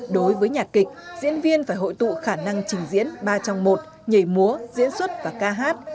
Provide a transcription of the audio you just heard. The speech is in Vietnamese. đối với nhạc kịch diễn viên phải hội tụ khả năng trình diễn ba trong một nhảy múa diễn xuất và ca hát